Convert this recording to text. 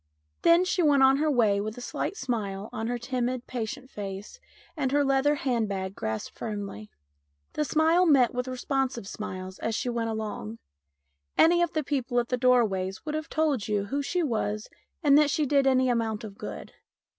Then she went on her way with a slight smile on her timid, patient face and her leather hand bag grasped firmly. The smile met with responsive smiles as she went along. Any of the people at the doorways would have told you who she was and that she did any amount of good.